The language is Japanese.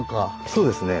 そうですね。